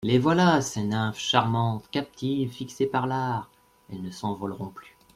Les voilà, ces nymphes charmantes, captives, fixées par l'art ; elles ne s'envoleront plus.